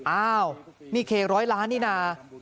อ้าวนี่เคร้อยล้านนี่นะ